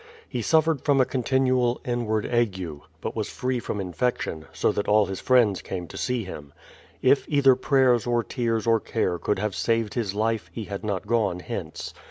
He suffered from a continual inward ague, but was free from X69 170 BRADFORD'S HISTORY OF infection, so that all his friends came to see him. If cither prayers or tears or care could have saved his life, he had not gone hence.